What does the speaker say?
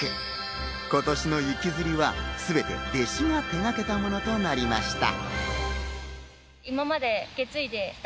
今年の雪吊りは全て弟子が手がけたものとなりました。